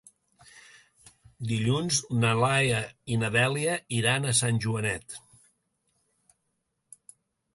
Dilluns na Laia i na Dèlia iran a Sant Joanet.